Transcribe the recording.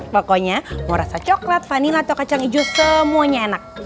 pokoknya mau rasa coklat vanila atau kacang ijo semuanya enak